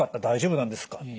大丈夫なんですか？